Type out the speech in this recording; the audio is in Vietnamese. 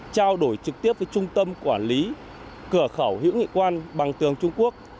trao đổi trực tiếp với trung tâm quản lý cửa khẩu hữu nghị quan bằng tường trung quốc